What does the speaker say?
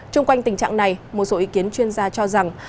trung quanh tình trạng này một số ý kiến chuyên gia cho rằng